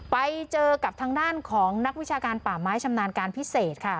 ไปเจอกับทางด้านของนักวิชาการป่าไม้ชำนาญการพิเศษค่ะ